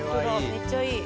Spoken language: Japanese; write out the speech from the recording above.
めっちゃいい。